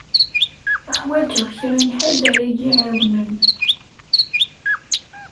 Uḥwaǧeɣ kra n ḥedd ara yi-iɛawnen.